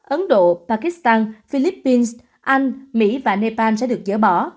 ấn độ pakistan philippines anh mỹ và nepal sẽ được dỡ bỏ